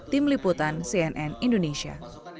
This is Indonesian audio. tim liputan cnn indonesia